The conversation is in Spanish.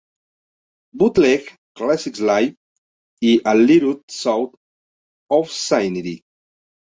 Bootleg", "Classics Live", y "A Little South of Sanity".